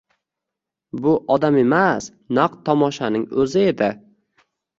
Bu odam emas naq tomoshaning o`zi edi